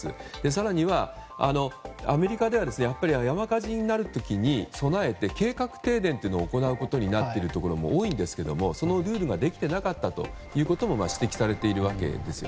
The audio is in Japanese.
更にはアメリカでは山火事になる時に備えて、計画停電というのを行うことになっているところが多いんですけどそのルールができていなかったことも指摘されています。